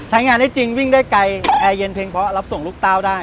ใช้งานได้จริงวิ่งได้ไกลแอร์เย็นเพลงเพราะรับส่งลูกเต้าได้